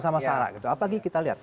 sama sarah gitu apalagi kita lihat